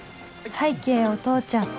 拝啓お父ちゃん